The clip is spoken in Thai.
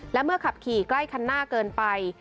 และเมื่อขับขี่ใกล้คันหน้าเกินไป